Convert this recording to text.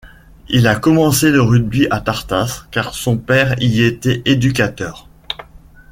Il a commencé le rugby à Tartas car son père y était éducateur.